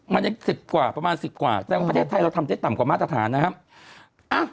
มันยัง๑๐กว่าประมาณ๑๐กว่าแสดงว่าประเทศไทยเราทำได้ต่ำกว่ามาตรฐานนะครับ